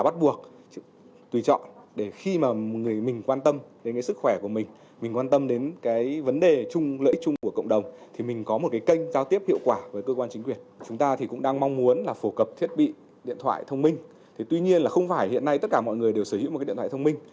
tuy nhiên không phải hiện nay tất cả mọi người đều sở hữu một điện thoại thông minh